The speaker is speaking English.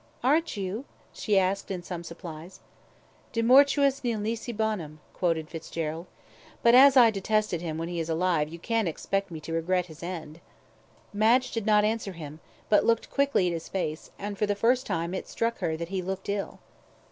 "Aren't you?" she asked in some surprise. "De mortuis nil nisi bonum," quoted Fitzgerald. "But as I detested him when alive, you can't expect me to regret his end." Madge did not answer him, but glanced quickly at his face, and for the first time it struck her that he looked ill.